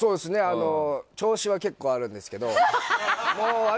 調子は結構あるんですけど。